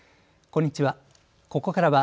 こんにちは。